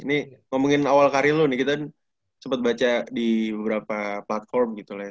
ini ngomongin awal karir lo nih kita sempat baca di beberapa platform gitu lah